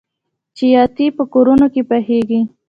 چپاتي په کورونو کې پخیږي.